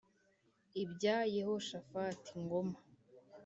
Ibya Yehoshafati ( Ngoma --)